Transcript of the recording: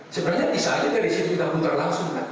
sebenarnya bisa saja dari situ kita putar langsung kan